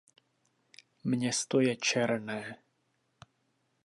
Město je černé.